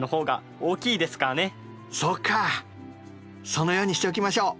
そのようにしておきましょう。